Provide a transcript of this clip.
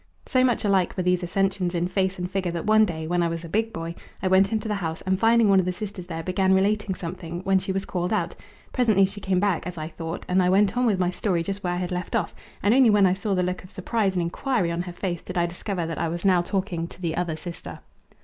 So much alike were these Ascensions in face and figure that one day, when I was a big boy, I went into the house and finding one of the sisters there began relating something, when she was called out. Presently she came back, as I thought, and I went on with my story just where I had left off, and only when I saw the look of surprise and inquiry on her face did I discover that I was now talking to the other sister.